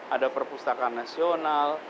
ada perpustakaan nasional